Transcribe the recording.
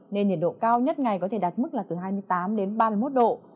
nên nhiệt độ cao nhất ngày có thể đạt mức là từ hai mươi tám đến ba mươi một độ